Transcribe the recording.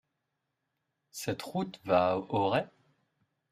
Cette route va à Auray ?